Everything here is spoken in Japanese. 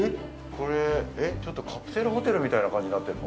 これちょっとカプセルホテルみたいな感じになってるの？